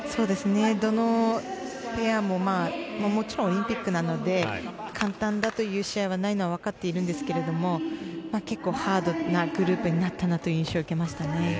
どのペアももちろんオリンピックなので簡単だという試合はないのは分かっているんですけど結構ハードなグループになったという印象を受けましたね。